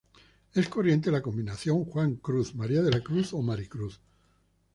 Es corriente la combinación Juan Cruz, María de la Cruz o Maricruz.